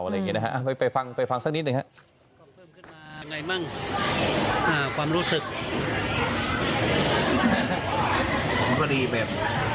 อะไรอย่างนี้นะฮะไปฟังไปฟังสักนิดหนึ่งครับ